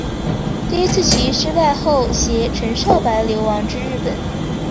第一次起义失败后偕陈少白流亡至日本。